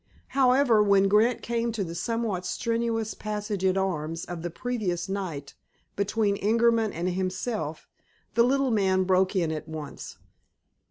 However, when Grant came to the somewhat strenuous passage at arms of the previous night between Ingerman and himself, the little man broke in at once.